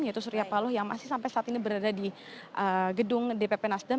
yaitu surya paloh yang masih sampai saat ini berada di gedung dpp nasdem